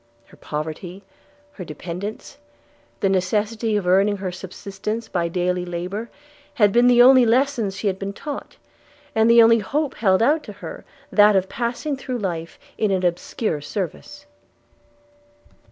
Her poverty, her dependence, the necessity of her earning a subsistence by daily labour, had been the only lessons she had been taught; and the only hope held out to her, that of passing through life in an obscure service.